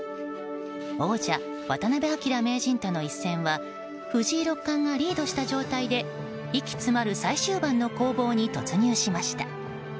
王者・渡辺明名人との一戦は藤井六冠がリードした状態で生き詰まる最終盤の攻防に突入しました。